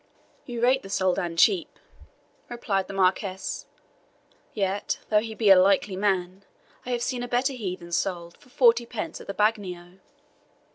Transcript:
"You rate the Soldan cheap," replied the Marquis; "yet though he be a likely man, I have seen a better heathen sold for forty pence at the bagnio."